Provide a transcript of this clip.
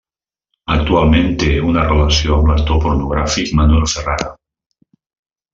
Actualment té una relació amb l'actor pornogràfic Manuel Ferrara.